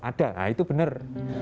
ada nah itu benar